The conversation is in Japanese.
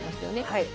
はい。